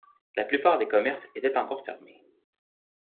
La plupart des commerces étaient encore fermés.